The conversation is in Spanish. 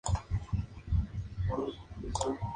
A su esposa Consuelo le compuso una ranchera: "Mi Consuelo".